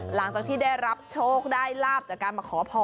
หลังจากที่ได้รับโชคได้ลาบจากการมาขอพร